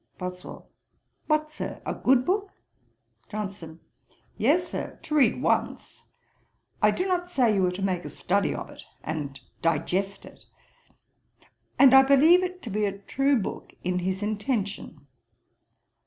BOSWELL. 'What, Sir, a good book?' JOHNSON. 'Yes, Sir, to read once; I do not say you are to make a study of it, and digest it; and I believe it to be a true book in his intention.